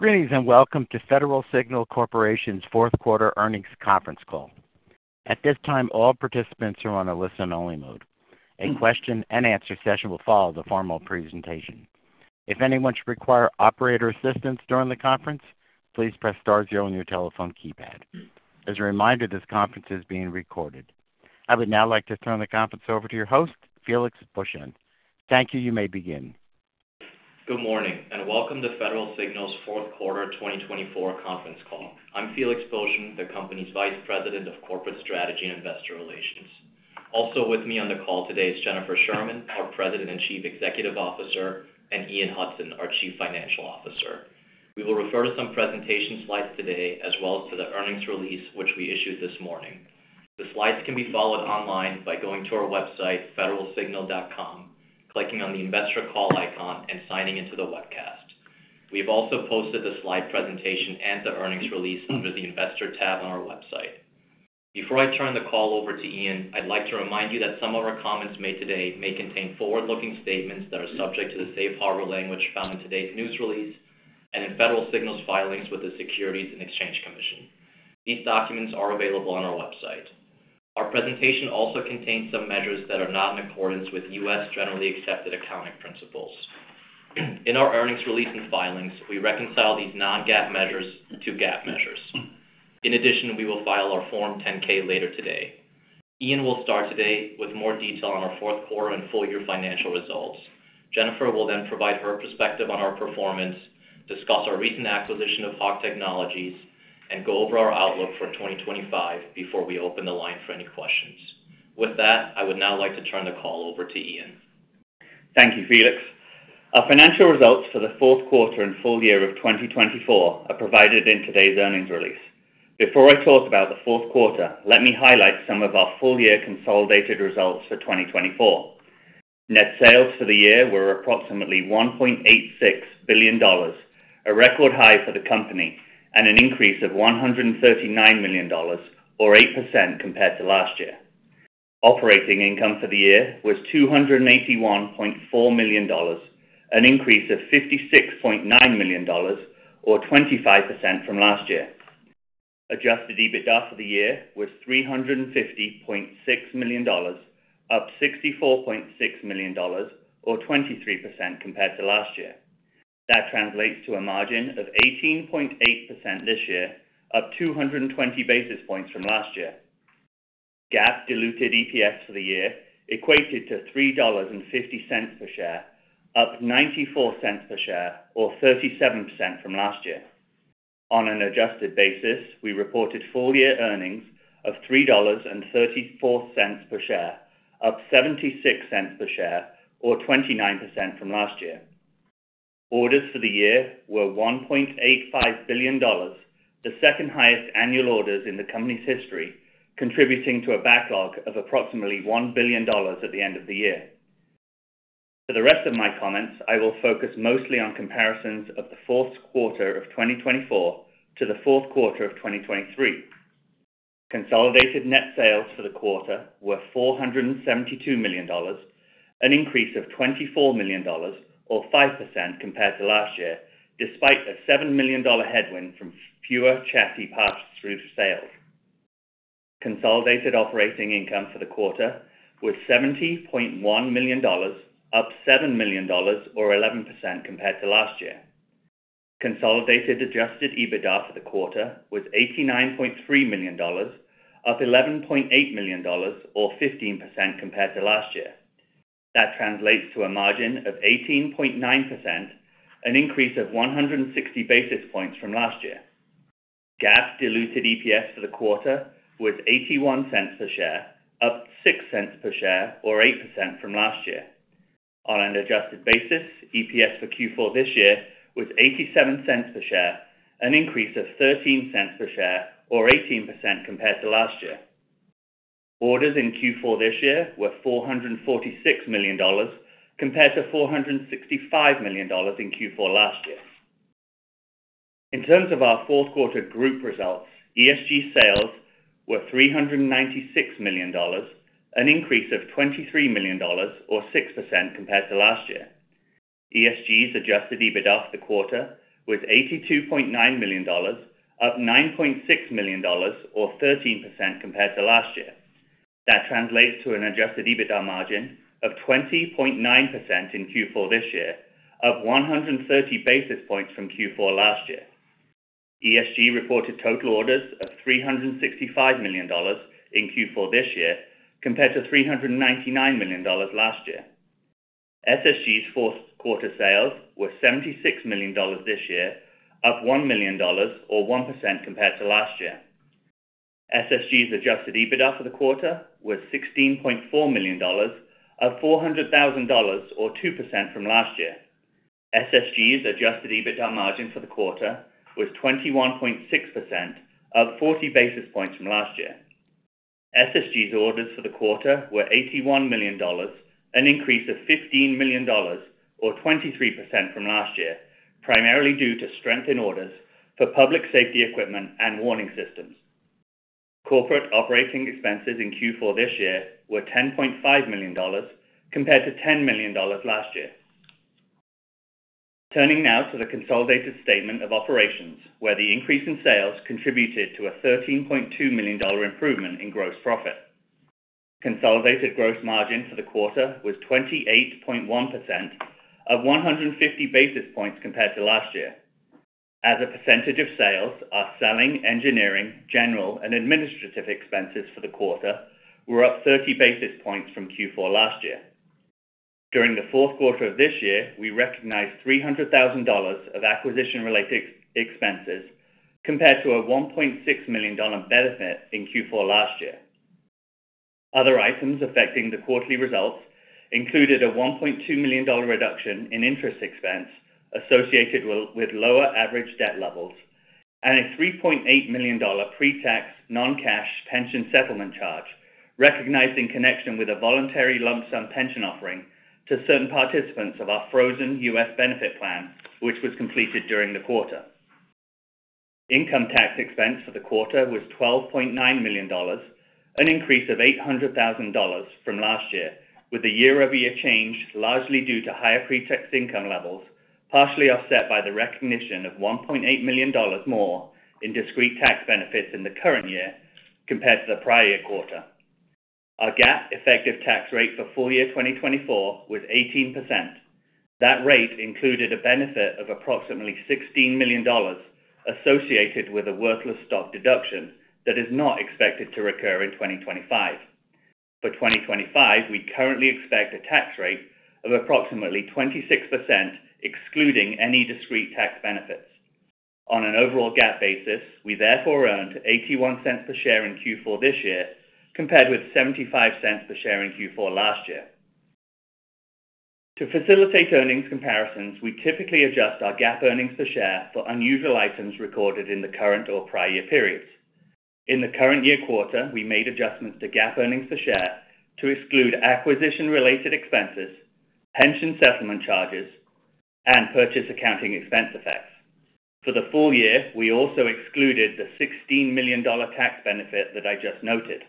Greetings and welcome to Federal Signal Corporation's Fourth Quarter Earnings Conference Call. At this time, all participants are on a listen-only mode. A question-and-answer session will follow the formal presentation. If anyone should require operator assistance during the conference, please press star zero on your telephone keypad. As a reminder, this conference is being recorded. I would now like to turn the conference over to your host, Felix Boeschen. Thank you. You may begin. Good morning and welcome to Federal Signal's Fourth Quarter 2024 Conference Call. I'm Felix Boeschen, the company's Vice President of Corporate Strategy and Investor Relations. Also with me on the call today is Jennifer Sherman, our President and Chief Executive Officer, and Ian Hudson, our Chief Financial Officer. We will refer to some presentation slides today as well as to the earnings release, which we issued this morning. The slides can be followed online by going to our website, federalsignal.com, clicking on the investor call icon, and signing into the webcast. We have also posted the slide presentation and the earnings release under the investor tab on our website. Before I turn the call over to Ian, I'd like to remind you that some of our comments made today may contain forward-looking statements that are subject to the safe harbor language found in today's news release and in Federal Signal's filings with the Securities and Exchange Commission. These documents are available on our website. Our presentation also contains some measures that are not in accordance with U.S. generally accepted accounting principles. In our earnings release and filings, we reconcile these non-GAAP measures to GAAP measures. In addition, we will file our Form 10-K later today. Ian will start today with more detail on our fourth quarter and full-year financial results. Jennifer will then provide her perspective on our performance, discuss our recent acquisition of Hog Technologies, and go over our outlook for 2025 before we open the line for any questions. With that, I would now like to turn the call over to Ian. Thank you, Felix. Our financial results for the fourth quarter and full year of 2024 are provided in today's earnings release. Before I talk about the fourth quarter, let me highlight some of our full-year consolidated results for 2024. Net sales for the year were approximately $1.86 billion, a record high for the company, and an increase of $139 million, or 8% compared to last year. Operating income for the year was $281.4 million, an increase of $56.9 million, or 25% from last year. Adjusted EBITDA for the year was $350.6 million, up $64.6 million, or 23% compared to last year. That translates to a margin of 18.8% this year, up 220 basis points from last year. GAAP diluted EPS for the year equated to $3.50 per share, up $0.94 per share, or 37% from last year. On an adjusted basis, we reported full-year earnings of $3.34 per share, up $0.76 per share, or 29% from last year. Orders for the year were $1.85 billion, the second highest annual orders in the company's history, contributing to a backlog of approximately $1 billion at the end of the year. For the rest of my comments, I will focus mostly on comparisons of the fourth quarter of 2024 to the fourth quarter of 2023. Consolidated net sales for the quarter were $472 million, an increase of $24 million, or 5% compared to last year, despite a $7 million headwind from fewer chassis pass-through sales. Consolidated operating income for the quarter was $70.1 million, up $7 million, or 11% compared to last year. Consolidated adjusted EBITDA for the quarter was $89.3 million, up $11.8 million, or 15% compared to last year. That translates to a margin of 18.9%, an increase of 160 basis points from last year. GAAP diluted EPS for the quarter was $0.81 per share, up 6 cents per share, or 8% from last year. On an adjusted basis, EPS for Q4 this year was $0.87 per share, an increase of 13 cents per share, or 18% compared to last year. Orders in Q4 this year were $446 million, compared to $465 million in Q4 last year. In terms of our fourth quarter group results, ESG sales were $396 million, an increase of $23 million, or 6% compared to last year. ESG's adjusted EBITDA for the quarter was $82.9 million, up $9.6 million, or 13% compared to last year. That translates to an adjusted EBITDA margin of 20.9% in Q4 this year, up 130 basis points from Q4 last year. ESG reported total orders of $365 million in Q4 this year, compared to $399 million last year. SSG's fourth quarter sales were $76 million this year, up $1 million, or 1% compared to last year. SSG's adjusted EBITDA for the quarter was $16.4 million, up $400,000, or 2% from last year. SSG's adjusted EBITDA margin for the quarter was 21.6%, up 40 basis points from last year. SSG's orders for the quarter were $81 million, an increase of $15 million, or 23% from last year, primarily due to strength in orders for public safety equipment and warning systems. Corporate operating expenses in Q4 this year were $10.5 million, compared to $10 million last year. Turning now to the consolidated statement of operations, where the increase in sales contributed to a $13.2 million improvement in gross profit. Consolidated gross margin for the quarter was 28.1%, up 150 basis points compared to last year. As a percentage of sales, our selling, engineering, general, and administrative expenses for the quarter were up 30 basis points from Q4 last year. During the fourth quarter of this year, we recognized $300,000 of acquisition-related expenses compared to a $1.6 million benefit in Q4 last year. Other items affecting the quarterly results included a $1.2 million reduction in interest expense associated with lower average debt levels and a $3.8 million pre-tax non-cash pension settlement charge, recognized in connection with a voluntary lump sum pension offering to certain participants of our frozen U.S. benefit plan, which was completed during the quarter. Income tax expense for the quarter was $12.9 million, an increase of $800,000 from last year, with the year-over-year change largely due to higher pre-tax income levels, partially offset by the recognition of $1.8 million more in discrete tax benefits in the current year compared to the prior quarter. Our GAAP effective tax rate for full year 2024 was 18%. That rate included a benefit of approximately $16 million associated with a worthless stock deduction that is not expected to recur in 2025. For 2025, we currently expect a tax rate of approximately 26%, excluding any discrete tax benefits. On an overall GAAP basis, we therefore earned $0.81 per share in Q4 this year, compared with $0.75 per share in Q4 last year. To facilitate earnings comparisons, we typically adjust our GAAP earnings per share for unusual items recorded in the current or prior year periods. In the current year quarter, we made adjustments to GAAP earnings per share to exclude acquisition-related expenses, pension settlement charges, and purchase accounting expense effects. For the full year, we also excluded the $16 million tax benefit that I just noted.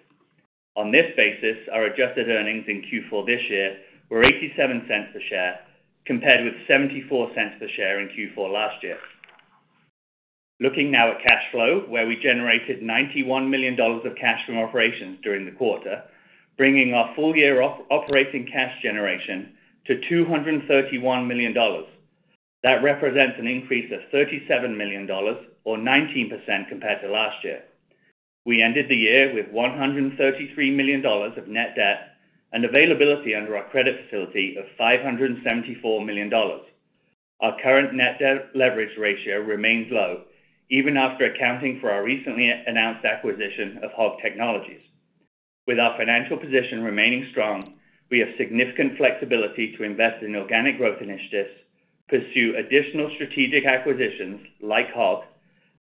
On this basis, our adjusted earnings in Q4 this year were $0.87 per share, compared with $0.74 per share in Q4 last year. Looking now at cash flow, where we generated $91 million of cash from operations during the quarter, bringing our full-year operating cash generation to $231 million. That represents an increase of $37 million, or 19% compared to last year. We ended the year with $133 million of net debt and availability under our credit facility of $574 million. Our current net debt leverage ratio remains low, even after accounting for our recently announced acquisition of Hog Technologies. With our financial position remaining strong, we have significant flexibility to invest in organic growth initiatives, pursue additional strategic acquisitions like Hog,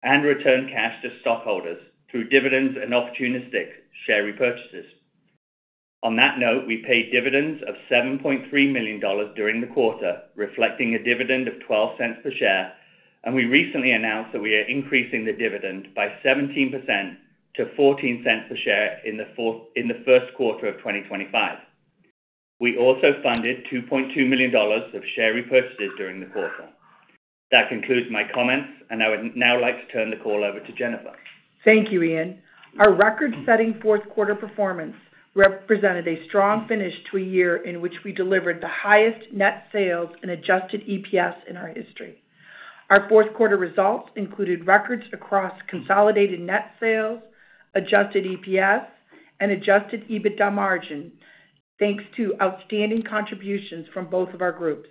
and return cash to stockholders through dividends and opportunistic share repurchases. On that note, we paid dividends of $7.3 million during the quarter, reflecting a dividend of $0.12 per share, and we recently announced that we are increasing the dividend by 17% to $ 0.14 per share in the first quarter of 2025. We also funded $2.2 million of share repurchases during the quarter. That concludes my comments, and I would now like to turn the call over to Jennifer. Thank you, Ian. Our record-setting fourth quarter performance represented a strong finish to a year in which we delivered the highest net sales and adjusted EPS in our history. Our fourth quarter results included records across consolidated net sales, adjusted EPS, and adjusted EBITDA margin, thanks to outstanding contributions from both of our groups.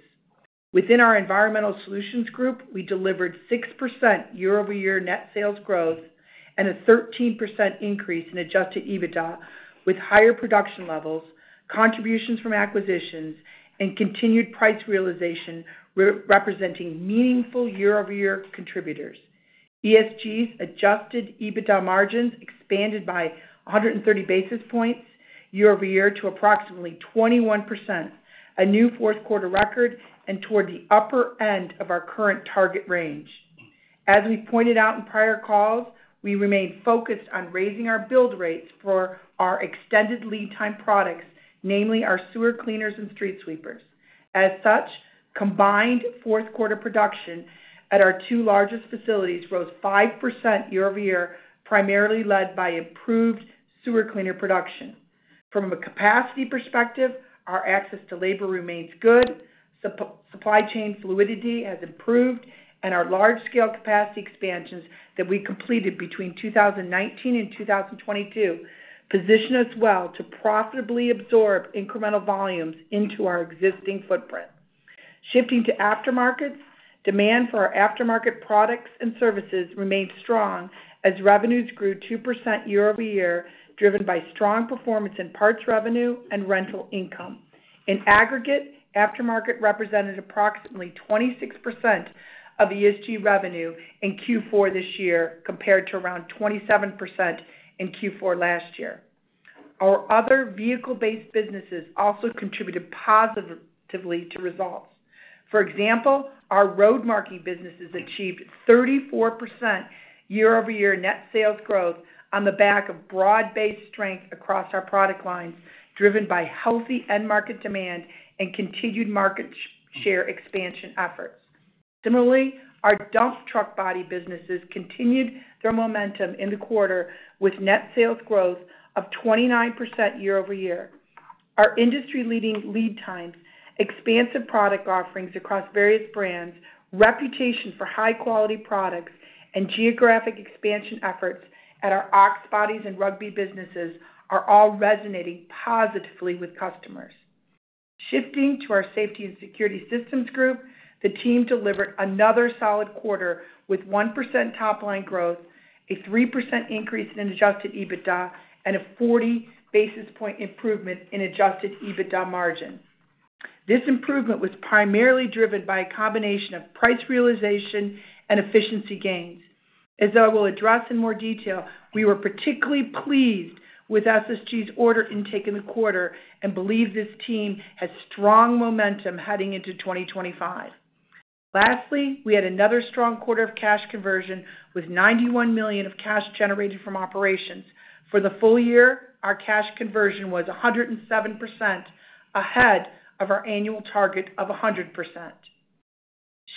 Within our Environmental Solutions Group, we delivered 6% year-over-year net sales growth and a 13% increase in adjusted EBITDA, with higher production levels, contributions from acquisitions, and continued price realization representing meaningful year-over-year contributors. ESG's adjusted EBITDA margins expanded by 130 basis points year-over-year to approximately 21%, a new fourth quarter record, and toward the upper end of our current target range. As we've pointed out in prior calls, we remained focused on raising our build rates for our extended lead-time products, namely our sewer cleaners and street sweepers. As such, combined fourth quarter production at our two largest facilities rose 5% year-over-year, primarily led by improved sewer cleaner production. From a capacity perspective, our access to labor remains good, supply chain fluidity has improved, and our large-scale capacity expansions that we completed between 2019 and 2022 position us well to profitably absorb incremental volumes into our existing footprint. Shifting to aftermarkets, demand for our aftermarket products and services remained strong as revenues grew 2% year-over-year, driven by strong performance in parts revenue and rental income. In aggregate, aftermarket represented approximately 26% of ESG revenue in Q4 this year, compared to around 27% in Q4 last year. Our other vehicle-based businesses also contributed positively to results. For example, our road marking businesses achieved 34% year-over-year net sales growth on the back of broad-based strength across our product lines, driven by healthy end-market demand and continued market share expansion efforts. Similarly, our dump truck body businesses continued their momentum in the quarter, with net sales growth of 29% year-over-year. Our industry-leading lead times, expansive product offerings across various brands, reputation for high-quality products, and geographic expansion efforts at our Ox Bodies and Rugby businesses are all resonating positively with customers. Shifting to our Safety and Security Systems Group, the team delivered another solid quarter with 1% top-line growth, a 3% increase in Adjusted EBITDA, and a 40 basis point improvement in Adjusted EBITDA margin. This improvement was primarily driven by a combination of price realization and efficiency gains. As I will address in more detail, we were particularly pleased with SSG's order intake in the quarter and believe this team has strong momentum heading into 2025. Lastly, we had another strong quarter of cash conversion, with $91 million of cash generated from operations. For the full year, our cash conversion was 107%, ahead of our annual target of 100%.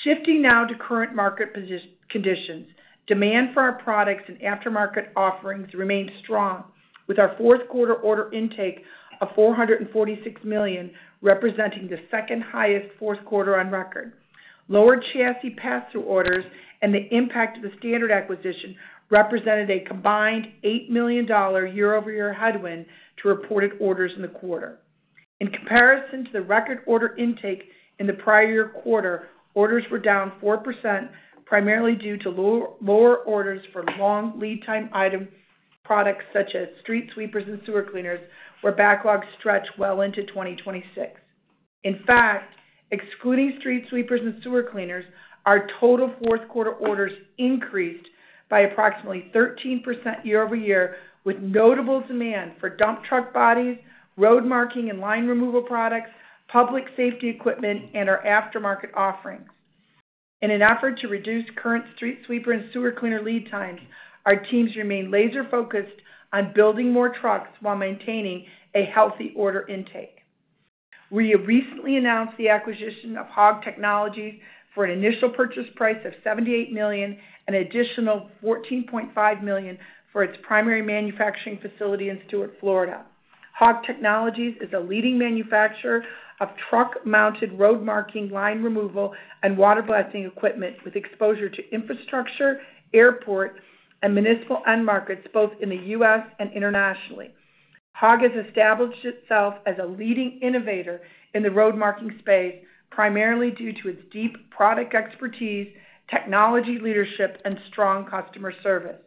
Shifting now to current market conditions, demand for our products and aftermarket offerings remained strong, with our fourth quarter order intake of $446 million representing the second highest fourth quarter on record. Lower chassis pass-through orders and the impact of the Standard acquisition represented a combined $8 million year-over-year headwind to reported orders in the quarter. In comparison to the record order intake in the prior year quarter, orders were down 4%, primarily due to lower orders for long lead-time item products such as street sweepers and sewer cleaners, where backlog stretched well into 2026. In fact, excluding street sweepers and sewer cleaners, our total fourth quarter orders increased by approximately 13% year-over-year, with notable demand for dump truck bodies, road marking and line removal products, public safety equipment, and our aftermarket offerings. In an effort to reduce current street sweeper and sewer cleaner lead times, our teams remain laser-focused on building more trucks while maintaining a healthy order intake. We recently announced the acquisition of Hog Technologies for an initial purchase price of $78 million and an additional $14.5 million for its primary manufacturing facility in Stuart, Florida. Hog Technologies is a leading manufacturer of truck-mounted road marking, line removal, and water blasting equipment, with exposure to infrastructure, airports, and municipal end markets, both in the U.S. and internationally. Hog has established itself as a leading innovator in the road marking space, primarily due to its deep product expertise, technology leadership, and strong customer service.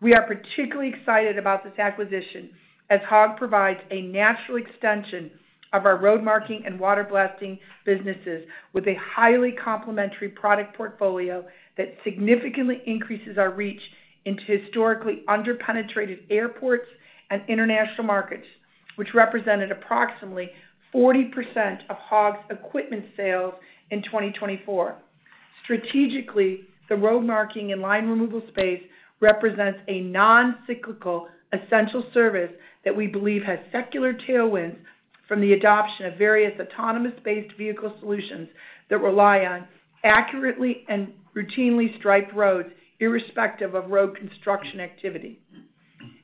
We are particularly excited about this acquisition, as Hog provides a natural extension of our road marking and water blasting businesses, with a highly complementary product portfolio that significantly increases our reach into historically under-penetrated airports and international markets, which represented approximately 40% of Hog's equipment sales in 2024. Strategically, the road marking and line removal space represents a non-cyclical essential service that we believe has secular tailwinds from the adoption of various autonomous-based vehicle solutions that rely on accurately and routinely striped roads, irrespective of road construction activity.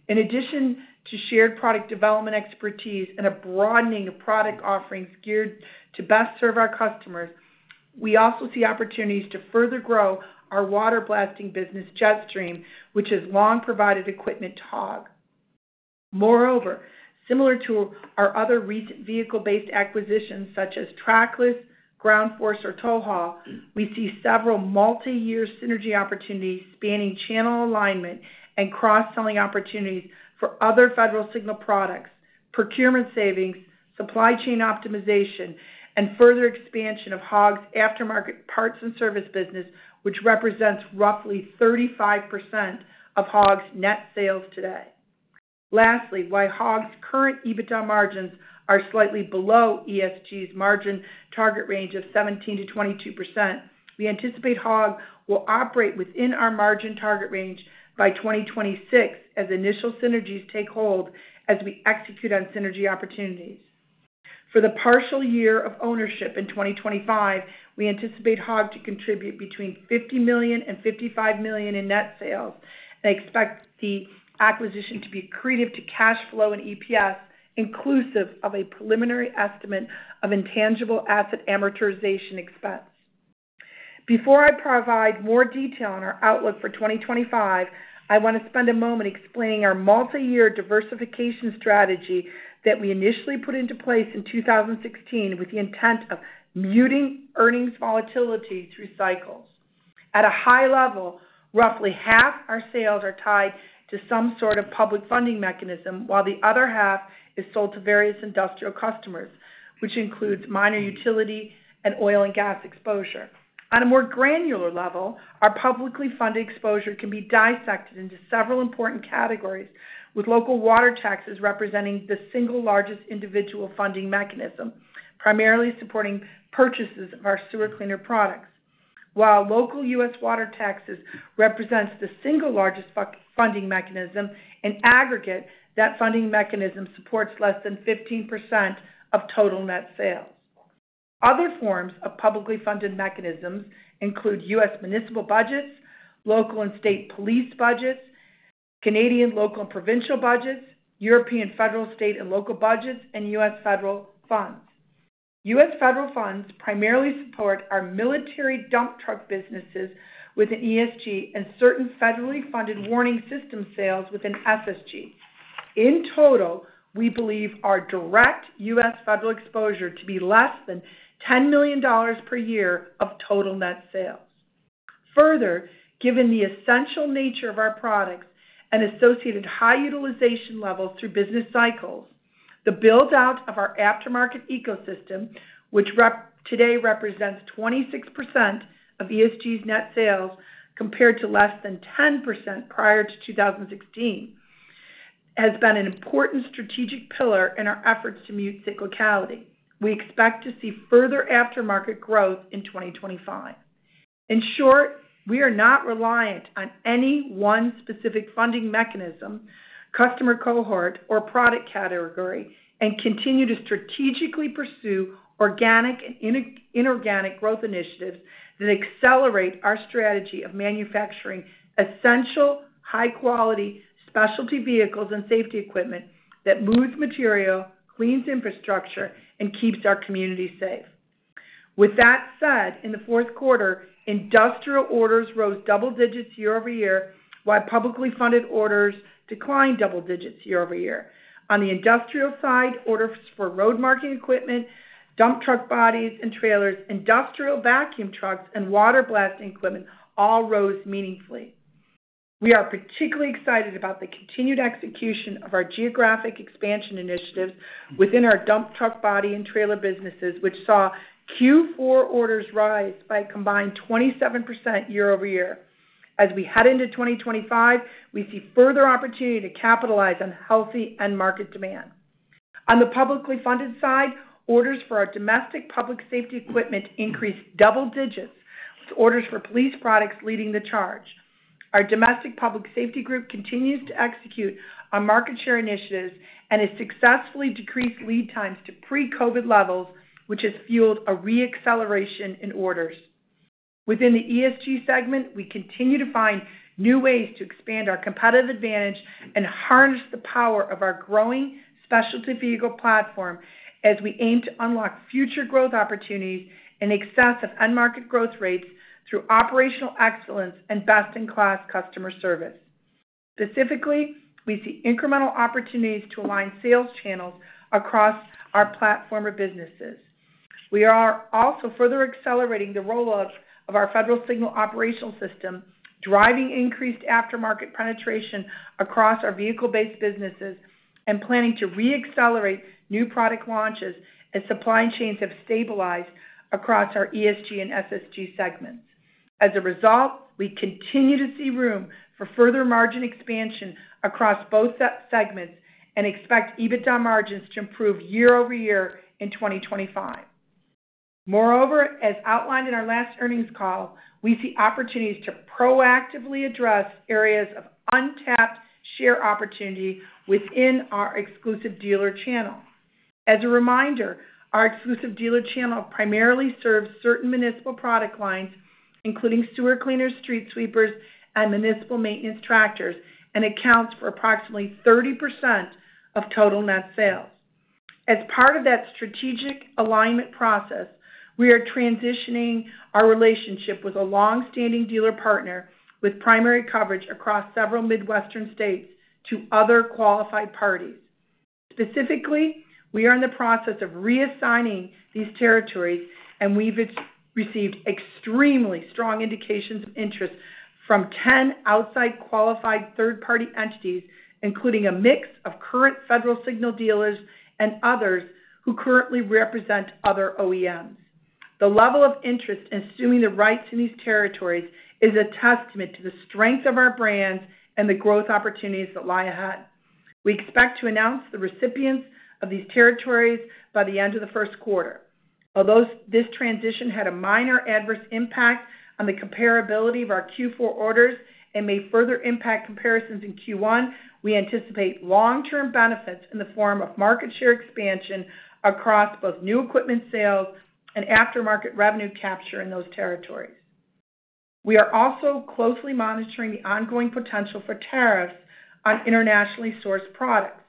In addition to shared product development expertise and a broadening of product offerings geared to best serve our customers, we also see opportunities to further grow our water blasting business, Jetstream, which has long provided equipment to Hog. Moreover, similar to our other recent vehicle-based acquisitions, such as Trackless, Ground Force, or TowHaul, we see several multi-year synergy opportunities spanning channel alignment and cross-selling opportunities for other Federal Signal products, procurement savings, supply chain optimization, and further expansion of Hog's aftermarket parts and service business, which represents roughly 35% of Hog's net sales today. Lastly, while Hog's current EBITDA margins are slightly below ESG's margin target range of 17%-22%, we anticipate Hog will operate within our margin target range by 2026 as initial synergies take hold as we execute on synergy opportunities. For the partial year of ownership in 2025, we anticipate Hog to contribute between $50 million and $55 million in net sales, and expect the acquisition to be accretive to cash flow and EPS, inclusive of a preliminary estimate of intangible asset amortization expense. Before I provide more detail on our outlook for 2025, I want to spend a moment explaining our multi-year diversification strategy that we initially put into place in 2016 with the intent of muting earnings volatility through cycles. At a high level, roughly half our sales are tied to some sort of public funding mechanism, while the other half is sold to various industrial customers, which includes minor utility and oil and gas exposure. On a more granular level, our publicly funded exposure can be dissected into several important categories, with local water taxes representing the single largest individual funding mechanism, primarily supporting purchases of our sewer cleaner products, while local U.S. water taxes represent the single largest funding mechanism. In aggregate, that funding mechanism supports less than 15% of total net sales. Other forms of publicly funded mechanisms include U.S. municipal budgets, local and state police budgets, Canadian local and provincial budgets, European federal, state, and local budgets, and U.S. federal funds. U.S. federal funds primarily support our military dump truck businesses within ESG and certain federally funded warning system sales within SSG. In total, we believe our direct U.S. federal exposure to be less than $10 million per year of total net sales. Further, given the essential nature of our products and associated high utilization levels through business cycles, the build-out of our aftermarket ecosystem, which today represents 26% of ESG's net sales compared to less than 10% prior to 2016, has been an important strategic pillar in our efforts to mute cyclicality. We expect to see further aftermarket growth in 2025. In short, we are not reliant on any one specific funding mechanism, customer cohort, or product category, and continue to strategically pursue organic and inorganic growth initiatives that accelerate our strategy of manufacturing essential, high-quality specialty vehicles and safety equipment that moves material, cleans infrastructure, and keeps our community safe. With that said, in the fourth quarter, industrial orders rose double digits year-over-year, while publicly funded orders declined double digits year-over-year. On the industrial side, orders for road marking equipment, dump truck bodies and trailers, industrial vacuum trucks, and water blasting equipment all rose meaningfully. We are particularly excited about the continued execution of our geographic expansion initiatives within our dump truck body and trailer businesses, which saw Q4 orders rise by a combined 27% year-over-year. As we head into 2025, we see further opportunity to capitalize on healthy end-market demand. On the publicly funded side, orders for our domestic public safety equipment increased double digits, with orders for police products leading the charge. Our domestic public safety group continues to execute on market share initiatives and has successfully decreased lead times to pre-COVID levels, which has fueled a re-acceleration in orders. Within the ESG segment, we continue to find new ways to expand our competitive advantage and harness the power of our growing specialty vehicle platform as we aim to unlock future growth opportunities in excess of end-market growth rates through operational excellence and best-in-class customer service. Specifically, we see incremental opportunities to align sales channels across our platform or businesses. We are also further accelerating the rollout of our Federal Signal Operational System, driving increased aftermarket penetration across our vehicle-based businesses and planning to re-accelerate new product launches as supply chains have stabilized across our ESG and SSG segments. As a result, we continue to see room for further margin expansion across both segments and expect EBITDA margins to improve year-over-year in 2025. Moreover, as outlined in our last earnings call, we see opportunities to proactively address areas of untapped share opportunity within our exclusive dealer channel. As a reminder, our exclusive dealer channel primarily serves certain municipal product lines, including sewer cleaners, street sweepers, and municipal maintenance tractors, and accounts for approximately 30% of total net sales. As part of that strategic alignment process, we are transitioning our relationship with a long-standing dealer partner with primary coverage across several Midwestern states to other qualified parties. Specifically, we are in the process of reassigning these territories, and we've received extremely strong indications of interest from 10 outside qualified third-party entities, including a mix of current Federal Signal dealers and others who currently represent other OEMs. The level of interest in assuming the rights in these territories is a testament to the strength of our brands and the growth opportunities that lie ahead. We expect to announce the recipients of these territories by the end of the first quarter. Although this transition had a minor adverse impact on the comparability of our Q4 orders and may further impact comparisons in Q1, we anticipate long-term benefits in the form of market share expansion across both new equipment sales and aftermarket revenue capture in those territories. We are also closely monitoring the ongoing potential for tariffs on internationally sourced products.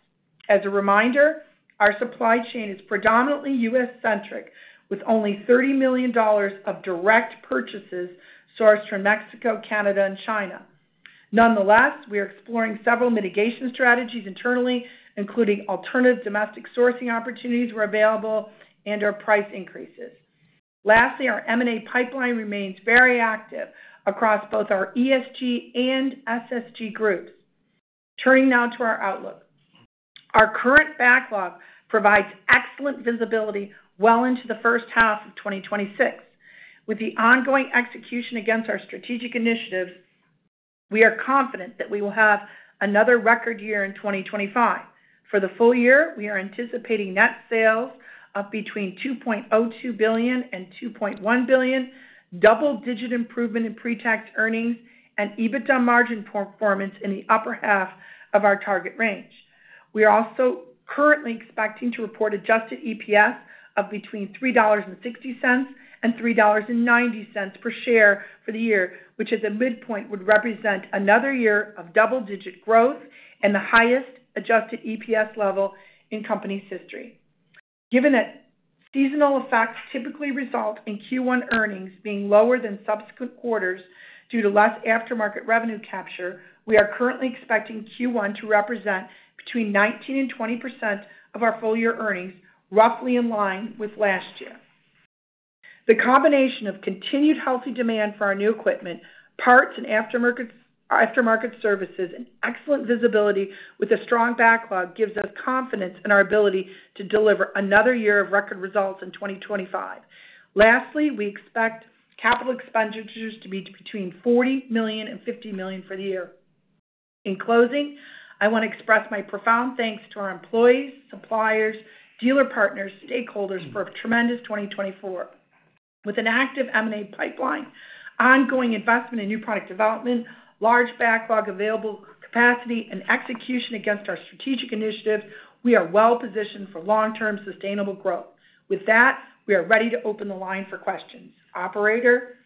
As a reminder, our supply chain is predominantly U.S.-centric, with only $30 million of direct purchases sourced from Mexico, Canada, and China. Nonetheless, we are exploring several mitigation strategies internally, including alternative domestic sourcing opportunities where available and/or price increases. Lastly, our M&A pipeline remains very active across both our ESG and SSG groups. Turning now to our outlook, our current backlog provides excellent visibility well into the first half of 2026. With the ongoing execution against our strategic initiatives, we are confident that we will have another record year in 2025. For the full year, we are anticipating net sales of between $2.02 billion and $2.1 billion, double-digit improvement in pre-tax earnings, and EBITDA margin performance in the upper half of our target range. We are also currently expecting to report adjusted EPS of between $3.60 and $3.90 per share for the year, which at the midpoint would represent another year of double-digit growth and the highest adjusted EPS level in the company's history. Given that seasonal effects typically result in Q1 earnings being lower than subsequent quarters due to less aftermarket revenue capture, we are currently expecting Q1 to represent between 19%-20% of our full-year earnings, roughly in line with last year. The combination of continued healthy demand for our new equipment, parts and aftermarket services, and excellent visibility with a strong backlog gives us confidence in our ability to deliver another year of record results in 2025. Lastly, we expect capital expenditures to be between $40 million-$50 million for the year. In closing, I want to express my profound thanks to our employees, suppliers, dealer partners, and stakeholders for a tremendous 2024. With an active M&A pipeline, ongoing investment in new product development, large backlog available capacity, and execution against our strategic initiatives, we are well-positioned for long-term sustainable growth. With that, we are ready to open the line for questions. Operator.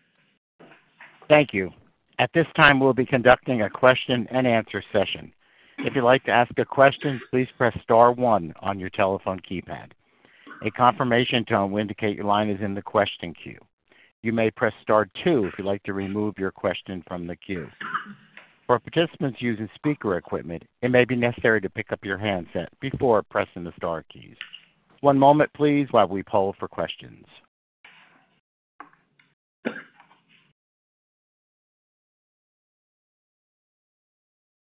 Thank you. At this time, we'll be conducting a question-and-answer session. If you'd like to ask a question, please press star one on your telephone keypad. A confirmation tone will indicate your line is in the question queue. You may press star two if you'd like to remove your question from the queue. For participants using speaker equipment, it may be necessary to pick up your handset before pressing the star keys. One moment, please, while we poll for questions.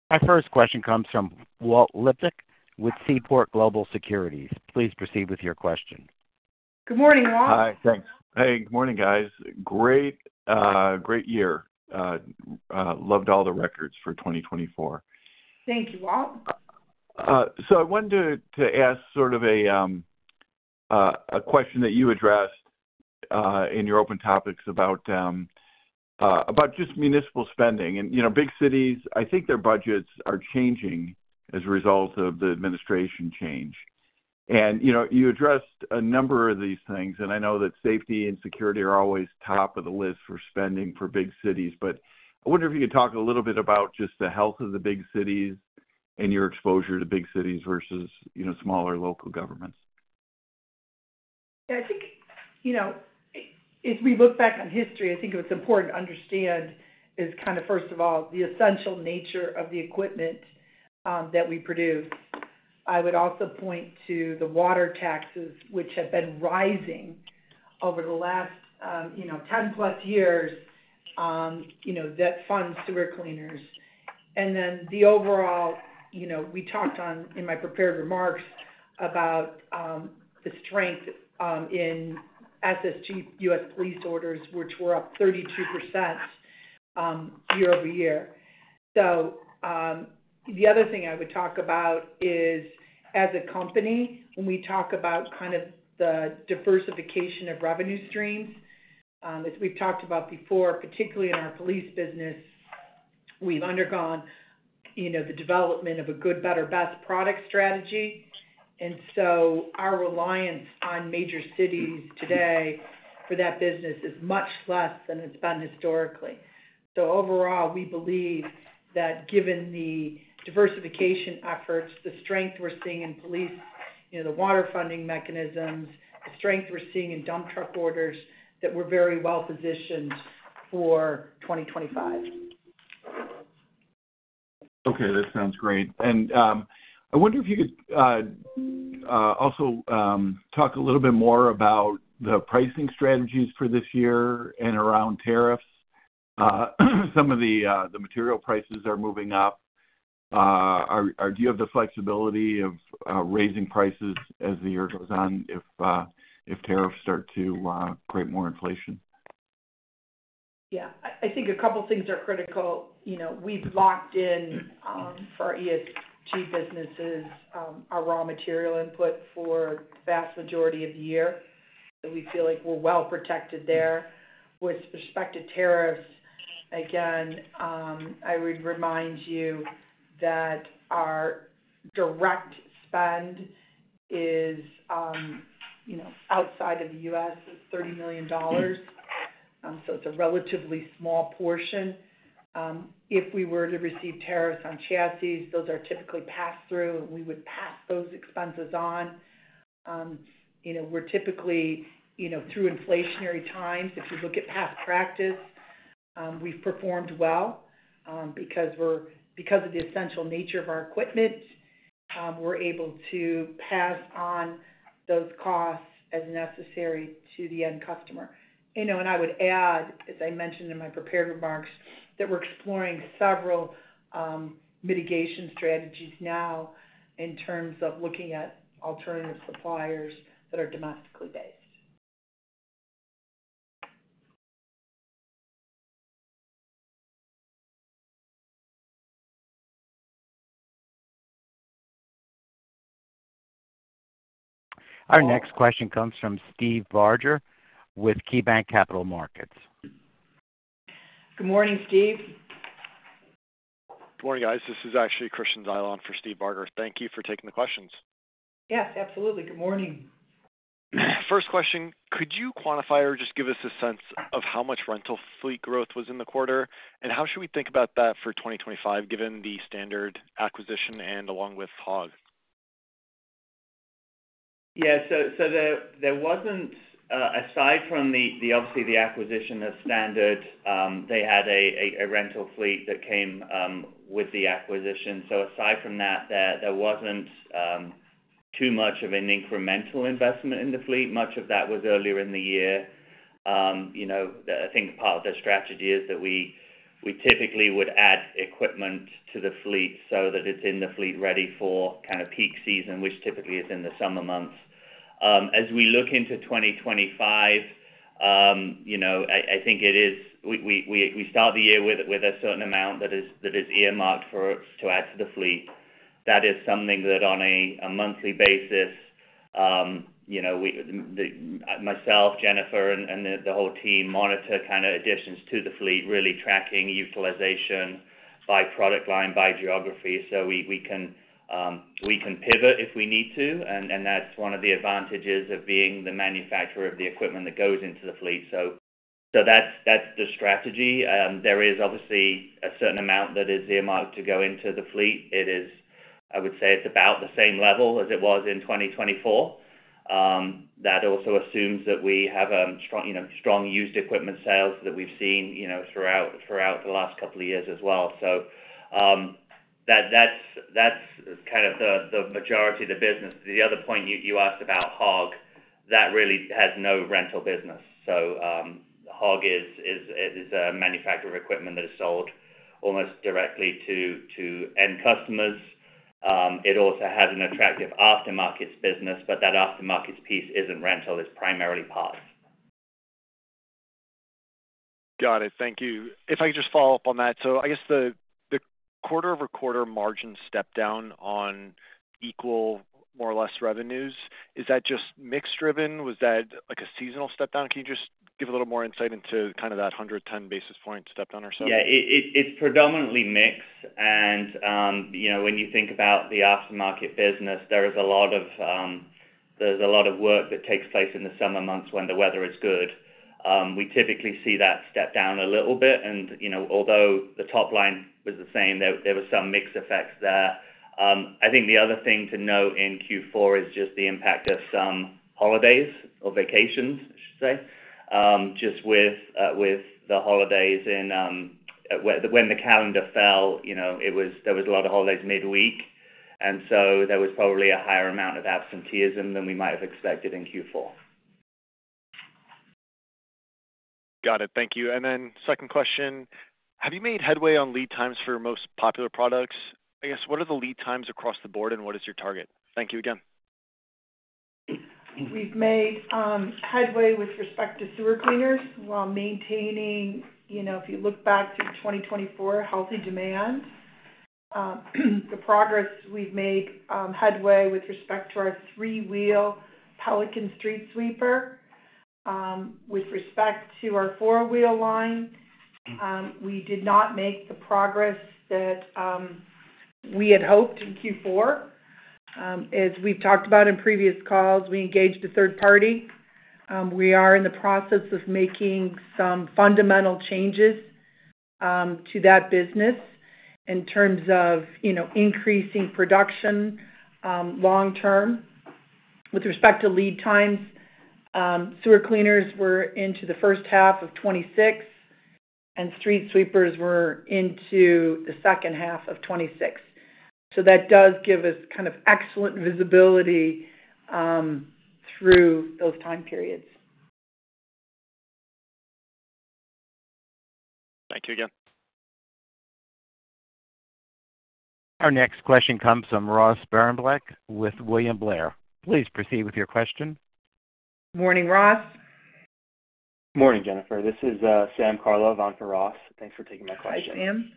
Our first question comes from Walt Liptak with Seaport Global Securities. Please proceed with your question. Good morning, Walt. Hi. Thanks. Hey, good morning, guys. Great, great year. Loved all the records for 2024. Thank you, Walt. So I wanted to ask sort of a question that you addressed in your open topics about just municipal spending. And big cities, I think their budgets are changing as a result of the administration change. And you addressed a number of these things, and I know that safety and security are always top of the list for spending for big cities. But I wonder if you could talk a little bit about just the health of the big cities and your exposure to big cities versus smaller local governments. Yeah. I think as we look back on history, I think what's important to understand is kind of, first of all, the essential nature of the equipment that we produce. I would also point to the water taxes, which have been rising over the last 10-plus years, that fund sewer cleaners. And then the overall, we talked in my prepared remarks about the strength in SSG U.S. police orders, which were up 32% year-over-year. So the other thing I would talk about is, as a company, when we talk about kind of the diversification of revenue streams, as we've talked about before, particularly in our police business, we've undergone the development of a good, better, best product strategy. And so our reliance on major cities today for that business is much less than it's been historically. So overall, we believe that given the diversification efforts, the strength we're seeing in police, the water funding mechanisms, the strength we're seeing in dump truck orders, that we're very well-positioned for 2025. Okay. That sounds great. And I wonder if you could also talk a little bit more about the pricing strategies for this year and around tariffs. Some of the material prices are moving up. Do you have the flexibility of raising prices as the year goes on if tariffs start to create more inflation? Yeah. I think a couple of things are critical. We've locked in for our ESG businesses our raw material input for the vast majority of the year, so we feel like we're well-protected there. With respect to tariffs, again, I would remind you that our direct spend is outside of the U.S. is $30 million, so it's a relatively small portion. If we were to receive tariffs on chassis, those are typically pass-through, and we would pass those expenses on. We're typically, through inflationary times, if you look at past practice, we've performed well because of the essential nature of our equipment. We're able to pass on those costs as necessary to the end customer, and I would add, as I mentioned in my prepared remarks, that we're exploring several mitigation strategies now in terms of looking at alternative suppliers that are domestically based. Our next question comes from Steve Barger with KeyBanc Capital Markets. Good morning, Steve. Good morning, guys. This is actually Christian Zyla for Steve Barger. Thank you for taking the questions. Yes, absolutely. Good morning. First question, could you quantify or just give us a sense of how much rental fleet growth was in the quarter? And how should we think about that for 2025, given the Standard acquisition and along with Hog? Yeah. So there wasn't, aside from obviously the acquisition of Standard, they had a rental fleet that came with the acquisition. So aside from that, there wasn't too much of an incremental investment in the fleet. Much of that was earlier in the year. I think part of the strategy is that we typically would add equipment to the fleet so that it's in the fleet ready for kind of peak season, which typically is in the summer months. As we look into 2025, I think it is we start the year with a certain amount that is earmarked to add to the fleet. That is something that on a monthly basis, myself, Jennifer, and the whole team monitor kind of additions to the fleet, really tracking utilization by product line, by geography. So we can pivot if we need to, and that's one of the advantages of being the manufacturer of the equipment that goes into the fleet. So that's the strategy. There is obviously a certain amount that is earmarked to go into the fleet. I would say it's about the same level as it was in 2024. That also assumes that we have strong used equipment sales that we've seen throughout the last couple of years as well. So that's kind of the majority of the business. The other point you asked about Hog, that really has no rental business. So Hog is a manufacturer of equipment that is sold almost directly to end customers. It also has an attractive aftermarket business, but that aftermarket piece isn't rental. It's primarily parts. Got it. Thank you. If I could just follow up on that. So I guess the quarter-over-quarter margin stepdown on equal, more or less, revenues, is that just mixed-driven? Was that a seasonal stepdown? Can you just give a little more insight into kind of that 110 basis points stepdown or so? Yeah. It's predominantly mixed. When you think about the aftermarket business, there is a lot of work that takes place in the summer months when the weather is good. We typically see that step down a little bit. Although the top line was the same, there were some mixed effects there. I think the other thing to note in Q4 is just the impact of some holidays or vacations, I should say, just with the holidays in when the calendar fell, there was a lot of holidays midweek. So there was probably a higher amount of absenteeism than we might have expected in Q4. Got it. Thank you. Second question, have you made headway on lead times for most popular products? I guess, what are the lead times across the board, and what is your target? Thank you again. We've made headway with respect to sewer cleaners while maintaining, if you look back through 2024, healthy demand. The progress we've made headway with respect to our three-wheel Pelican street sweeper. With respect to our four-wheel line, we did not make the progress that we had hoped in Q4. As we've talked about in previous calls, we engaged a third party. We are in the process of making some fundamental changes to that business in terms of increasing production long-term. With respect to lead times, sewer cleaners were into the first half of 2026, and street sweepers were into the second half of 2026. So that does give us kind of excellent visibility through those time periods. Thank you again. Our next question comes from Ross Sparenblek with William Blair. Please proceed with your question. Morning, Ross. Morning, Jennifer. This is Sam Karlov on for Ross. Thanks for taking my question.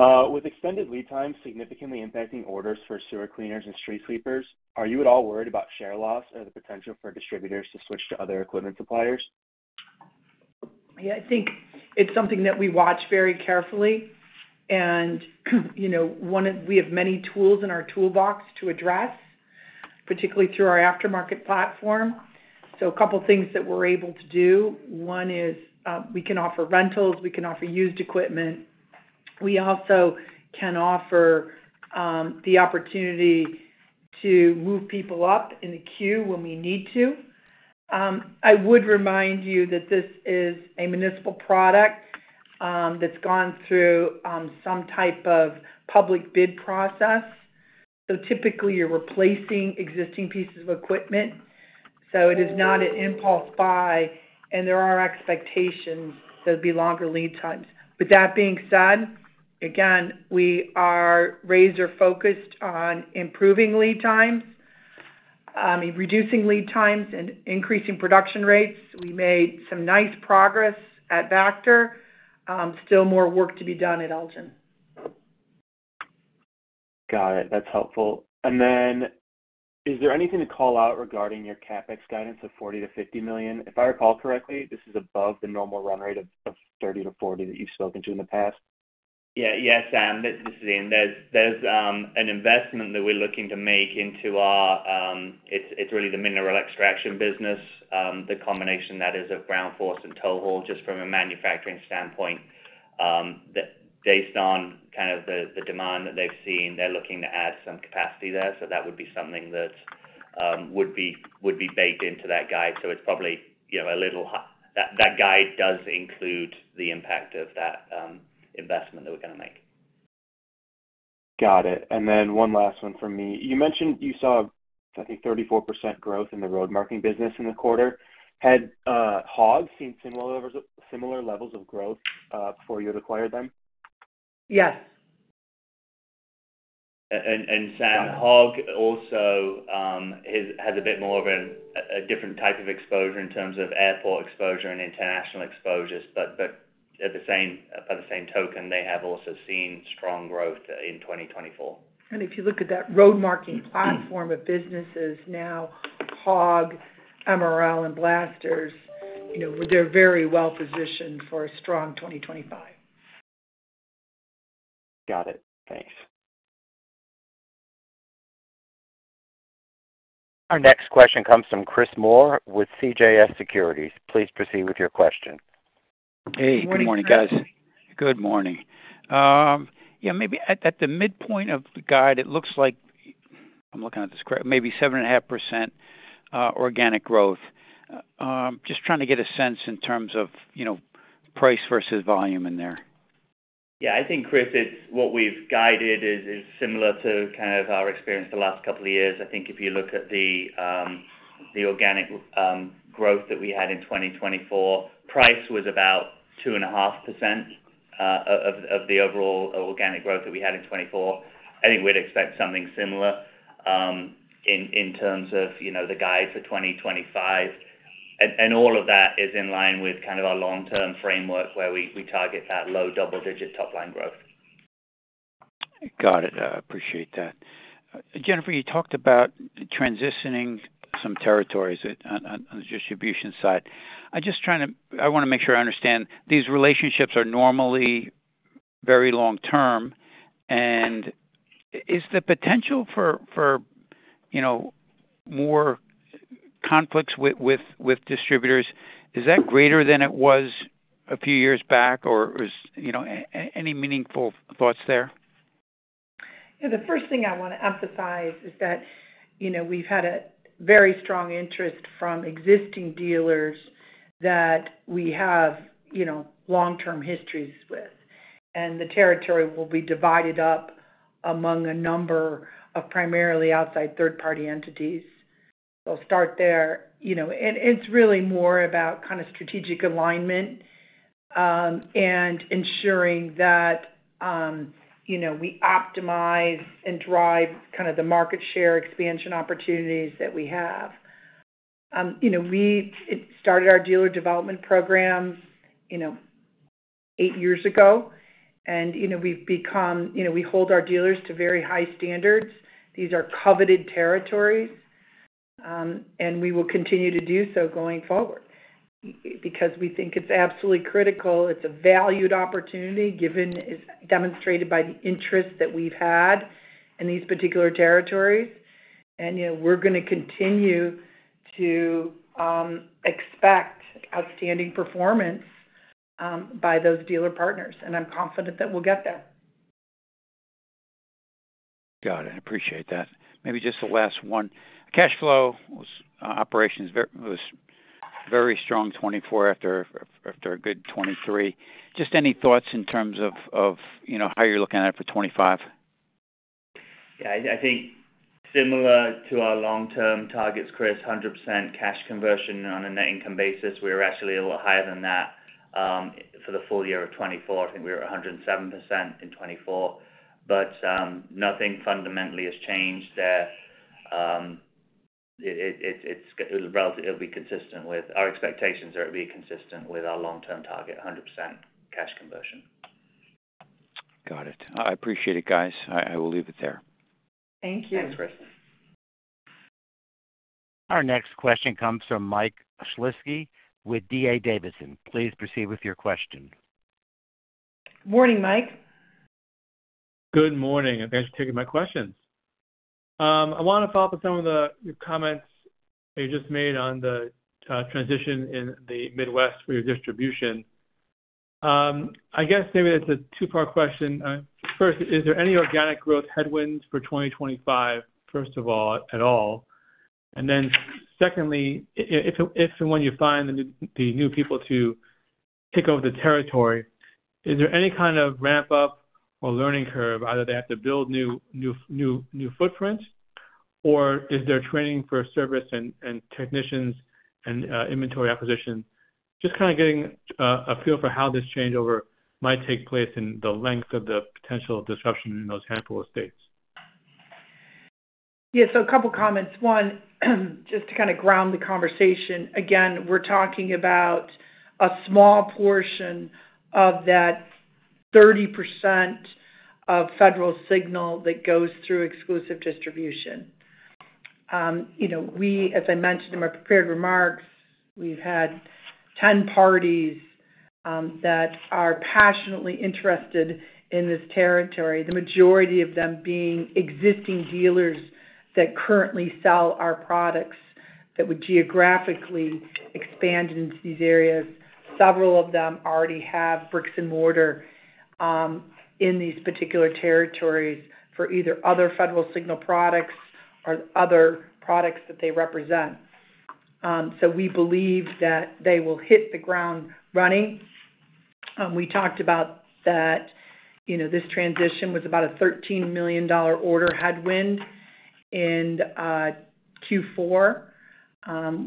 Hi, Sam. With extended lead times significantly impacting orders for sewer cleaners and street sweepers, are you at all worried about share loss or the potential for distributors to switch to other equipment suppliers? Yeah. I think it's something that we watch very carefully, and we have many tools in our toolbox to address, particularly through our aftermarket platform. So a couple of things that we're able to do. One is we can offer rentals. We can offer used equipment. We also can offer the opportunity to move people up in the queue when we need to. I would remind you that this is a municipal product that's gone through some type of public bid process. So typically, you're replacing existing pieces of equipment. So it is not an impulse buy, and there are expectations that there'll be longer lead times. With that being said, again, we are razor-focused on improving lead times, reducing lead times, and increasing production rates. We made some nice progress at Vactor. Still more work to be done at Elgin. Got it. That's helpful. And then is there anything to call out regarding your CapEx guidance of $40-$50 million? If I recall correctly, this is above the normal run rate of $30-$40 million that you've spoken to in the past. Yeah. Yes, Sam. This is Ian. There's an investment that we're looking to make into our—it's really the mineral extraction business, the combination that is of Ground Force and TowHaul just from a manufacturing standpoint. Based on kind of the demand that they've seen, they're looking to add some capacity there. So that would be something that would be baked into that guide. So it's probably a little. That guide does include the impact of that investment that we're going to make. Got it. And then one last one from me. You mentioned you saw, I think, 34% growth in the road marking business in the quarter. Had Hog seen similar levels of growth before you had acquired them? Yes. And Sam, Hog also has a bit more of a different type of exposure in terms of airport exposure and international exposures. But by the same token, they have also seen strong growth in 2024. And if you look at that road marking platform of businesses now, Hog, MRL, and Blasters, they're very well-positioned for a strong 2025. Got it. Thanks. Our next question comes from Chris Moore with CJS Securities. Please proceed with your question. Hey. Good morning, guys. Good morning. Yeah. Maybe at the midpoint of the guide, it looks like, I'm looking at this correctly, maybe 7.5% organic growth. Just trying to get a sense in terms of price versus volume in there. Yeah. I think, Chris, what we've guided is similar to kind of our experience the last couple of years. I think if you look at the organic growth that we had in 2024, price was about 2.5% of the overall organic growth that we had in 2024. I think we'd expect something similar in terms of the guide for 2025. And all of that is in line with kind of our long-term framework where we target that low double-digit top-line growth. Got it. I appreciate that. Jennifer, you talked about transitioning some territories on the distribution side. I just want to make sure I understand. These relationships are normally very long-term. And is the potential for more conflicts with distributors, is that greater than it was a few years back, or any meaningful thoughts there? Yeah. The first thing I want to emphasize is that we've had a very strong interest from existing dealers that we have long-term histories with. And the territory will be divided up among a number of primarily outside third-party entities. So I'll start there. And it's really more about kind of strategic alignment and ensuring that we optimize and drive kind of the market share expansion opportunities that we have. We started our dealer development program eight years ago. And we've become. We hold our dealers to very high standards. These are coveted territories. And we will continue to do so going forward because we think it's absolutely critical. It's a valued opportunity demonstrated by the interest that we've had in these particular territories. We're going to continue to expect outstanding performance by those dealer partners. I'm confident that we'll get there. Got it. I appreciate that. Maybe just the last one. Cash flow from operations was very strong 2024 after a good 2023. Just any thoughts in terms of how you're looking at it for 2025? Yeah. I think similar to our long-term targets, Chris, 100% cash conversion on a net income basis. We were actually a lot higher than that for the full year of 2024. I think we were 107% in 2024. But nothing fundamentally has changed there. It'll be consistent with our expectations or it'll be consistent with our long-term target, 100% cash conversion. Got it. I appreciate it, guys. I will leave it there. Thank you. Thanks, Chris. Our next question comes from Mike Shlisky with D.A. Davidson. Please proceed with your question. Morning, Mike. Good morning. Thanks for taking my questions. I want to follow up on some of the comments you just made on the transition in the Midwest for your distribution. I guess maybe that's a two-part question. First, is there any organic growth headwinds for 2025, first of all, at all? And then secondly, if and when you find the new people to take over the territory, is there any kind of ramp-up or learning curve? Either they have to build new footprints, or is there training for service and technicians and inventory acquisition? Just kind of getting a feel for how this changeover might take place and the length of the potential disruption in those handful of states. Yeah. So a couple of comments. One, just to kind of ground the conversation. Again, we're talking about a small portion of that 30% of Federal Signal that goes through exclusive distribution. We, as I mentioned in my prepared remarks, we've had 10 parties that are passionately interested in this territory, the majority of them being existing dealers that currently sell our products that would geographically expand into these areas. Several of them already have bricks and mortar in these particular territories for either other Federal Signal products or other products that they represent. So we believe that they will hit the ground running. We talked about that this transition was about a $13 million order headwind in Q4.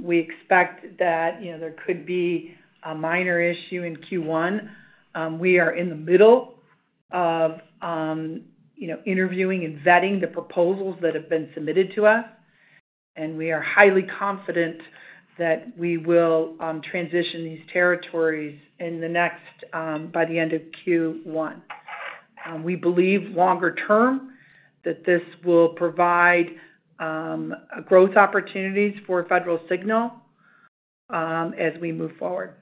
We expect that there could be a minor issue in Q1. We are in the middle of interviewing and vetting the proposals that have been submitted to us. And we are highly confident that we will transition these territories by the end of Q1. We believe longer term that this will provide growth opportunities for Federal Signal as we move forward.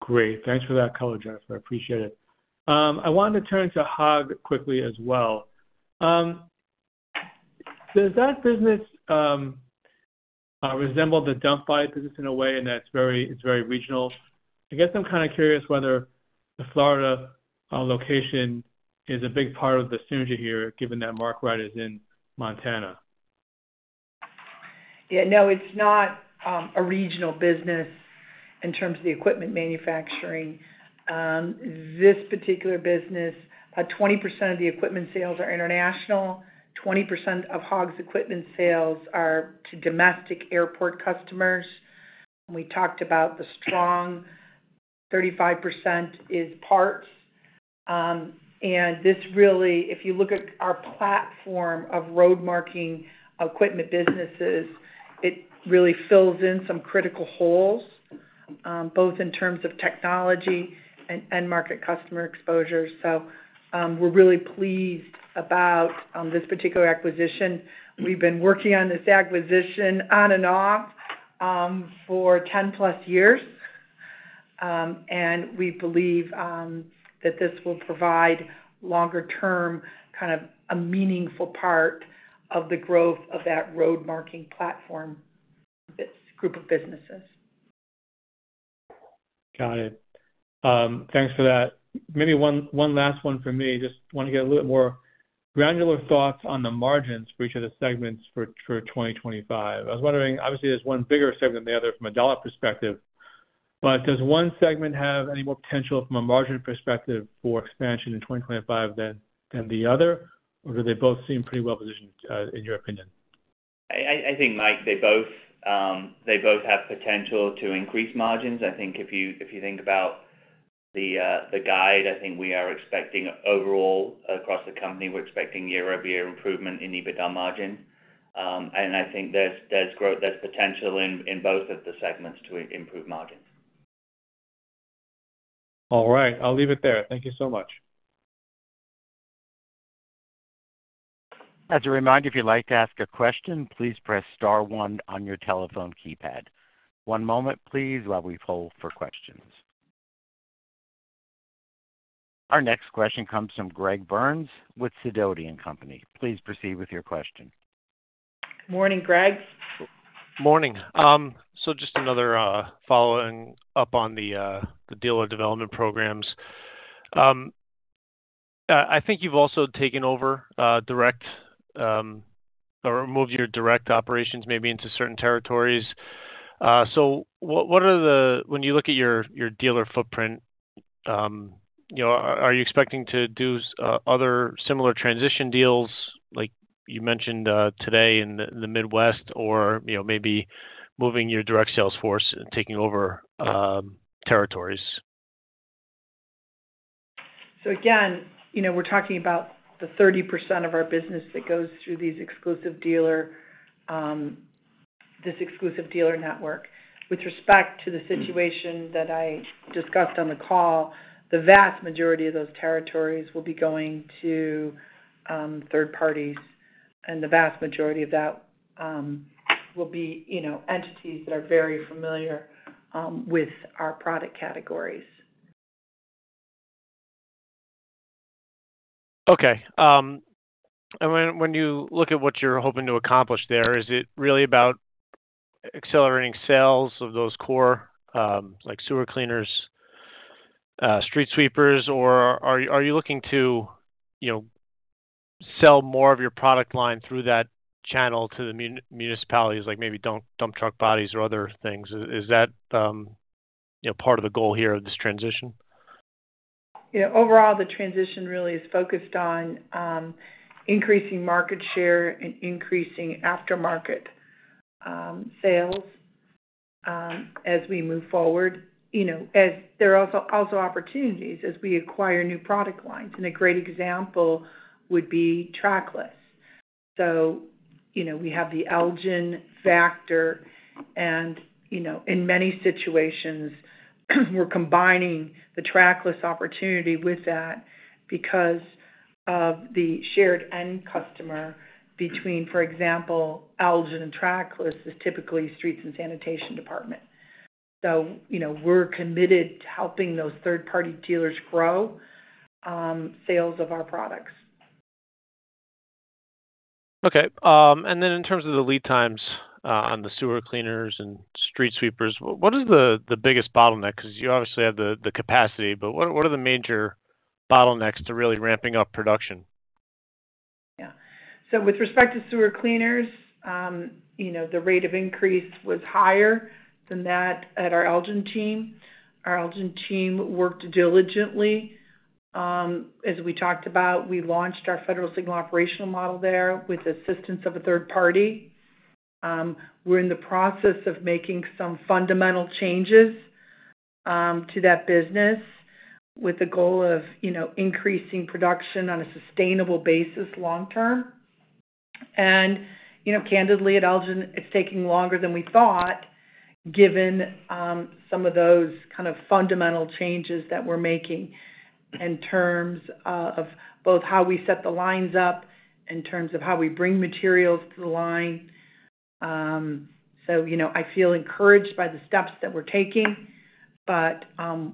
Great. Thanks for that color, Jennifer. I appreciate it. I wanted to turn to Hog quickly as well. Does that business resemble the dump body business in a way? And it's very regional. I guess I'm kind of curious whether the Florida location is a big part of the synergy here, given that Mark Rite is in Montana. Yeah. No, it's not a regional business in terms of the equipment manufacturing. This particular business, 20% of the equipment sales are international. 20% of Hog's equipment sales are to domestic airport customers. We talked about the strong 35% is parts. And if you look at our platform of road marking equipment businesses, it really fills in some critical holes, both in terms of technology and market customer exposure. So we're really pleased about this particular acquisition. We've been working on this acquisition on and off for 10-plus years. And we believe that this will provide longer-term kind of a meaningful part of the growth of that road marking platform group of businesses. Got it. Thanks for that. Maybe one last one for me. Just want to get a little bit more granular thoughts on the margins for each of the segments for 2025. I was wondering, obviously, there's one bigger segment than the other from a dollar perspective. But does one segment have any more potential from a margin perspective for expansion in 2025 than the other? Or do they both seem pretty well-positioned, in your opinion? I think, Mike, they both have potential to increase margins. I think if you think about the guide, I think we are expecting overall across the company, we're expecting year-over-year improvement in EBITDA margin. And I think there's potential in both of the segments to improve margins. All right. I'll leave it there. Thank you so much. As a reminder, if you'd like to ask a question, please press star one on your telephone keypad. One moment, please, while we poll for questions. Our next question comes from Greg Burns with Sidoti & Company. Please proceed with your question. Morning, Greg. Morning. So just another following up on the dealer development programs. I think you've also taken over direct or moved your direct operations maybe into certain territories. So when you look at your dealer footprint, are you expecting to do other similar transition deals like you mentioned today in the Midwest or maybe moving your direct sales force and taking over territories? So again, we're talking about the 30% of our business that goes through this exclusive dealer network. With respect to the situation that I discussed on the call, the vast majority of those territories will be going to third parties. And the vast majority of that will be entities that are very familiar with our product categories. Okay. And when you look at what you're hoping to accomplish there, is it really about accelerating sales of those core like sewer cleaners, street sweepers, or are you looking to sell more of your product line through that channel to the municipalities like maybe dump truck bodies or other things? Is that part of the goal here of this transition? Yeah. Overall, the transition really is focused on increasing market share and increasing aftermarket sales as we move forward. There are also opportunities as we acquire new product lines. And a great example would be Trackless. So we have the Elgin, Vactor, and in many situations, we're combining the Trackless opportunity with that because of the shared end customer between, for example, Elgin and Trackless, which is typically the streets and sanitation department. So we're committed to helping those third-party dealers grow sales of our products. Okay. And then in terms of the lead times on the sewer cleaners and street sweepers, what is the biggest bottleneck? Because you obviously have the capacity, but what are the major bottlenecks to really ramping up production? Yeah. So with respect to sewer cleaners, the rate of increase was higher than that at our Elgin team. Our Elgin team worked diligently. As we talked about, we launched our Federal Signal Operational System there with assistance of a third party. We're in the process of making some fundamental changes to that business with the goal of increasing production on a sustainable basis long-term. And candidly, at Elgin, it's taking longer than we thought given some of those kind of fundamental changes that we're making in terms of both how we set the lines up and in terms of how we bring materials to the line. So I feel encouraged by the steps that we're taking, but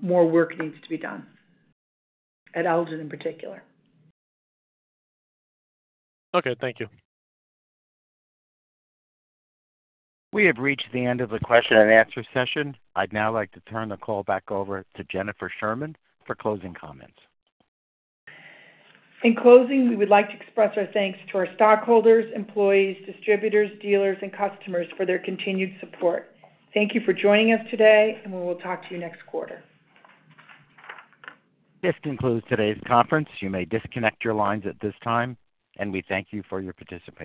more work needs to be done at Elgin in particular. Okay. Thank you. We have reached the end of the question and answer session. I'd now like to turn the call back over to Jennifer Sherman for closing comments. In closing, we would like to express our thanks to our stockholders, employees, distributors, dealers, and customers for their continued support. Thank you for joining us today, and we will talk to you next quarter. This concludes today's conference. You may disconnect your lines at this time, and we thank you for your participation.